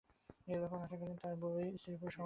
এই লেখক আশা করেন, তাঁর বই স্ত্রীপুরুষ সমভাবে পড়বে।